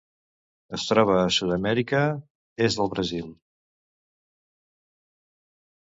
Es troba a Sud-amèrica: est del Brasil.